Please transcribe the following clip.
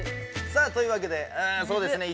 さあというわけでうんそうですね